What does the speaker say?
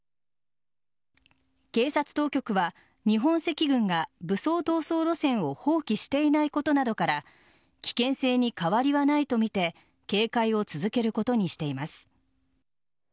警察当局は日本赤軍が武装闘争路線を放棄していないことなどから危険性に変わりはないとみて警戒を続けることにしています。